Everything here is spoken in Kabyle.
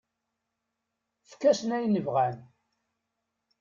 Efk-asen ayen bɣan.